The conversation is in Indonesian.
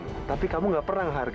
kenapa kamu tert displaced